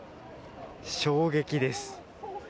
衝撃です。